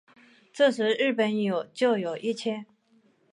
这时日本有教友一千。